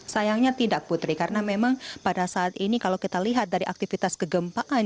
sayangnya tidak putri karena memang pada saat ini kalau kita lihat dari aktivitas kegempaan